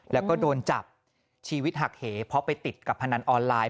แล้วก็โดนจับชีวิตหักเหเพราะไปติดกับพนันออนไลน์